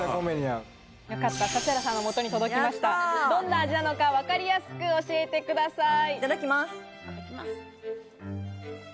どんな味なのか、わかりやすく教えてください。